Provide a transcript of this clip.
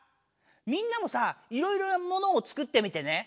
みんなもさいろいろなものを作ってみてね。